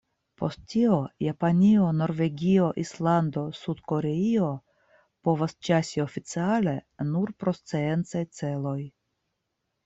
Post tio Japanio, Norvegio, Islando, Sud-Koreio povas ĉasi oficiale nur pro sciencaj celoj.